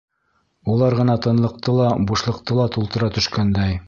Улар ғына тынлыҡты ла, бушлыҡты ла тултыра төшкәндәй.